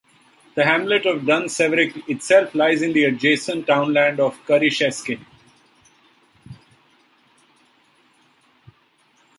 The hamlet of Dunseverick itself lies in the adjacent townland of Currysheskin.